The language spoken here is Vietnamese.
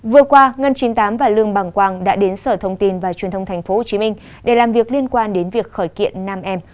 vừa qua ngân chín mươi tám và lương bằng quang đã đến sở thông tin và truyền thông tp hcm để làm việc liên quan đến việc khởi kiện nam em